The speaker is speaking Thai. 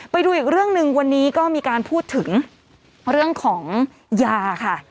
ไปดูอีกเรื่องหนึ่งวันนี้ก็มีการพูดถึงเรื่องของยาค่ะ